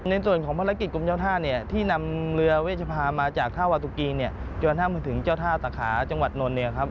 ในส่วนของภารกิจกรมเจ้าท่าที่นำเรือเวชภามาจากท่าวาตุกีจนถึงเจ้าท่าสาขาจังหวัดนนท์